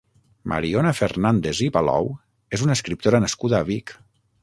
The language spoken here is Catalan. Mariona Fernández i Palou és una escriptora nascuda a Vic.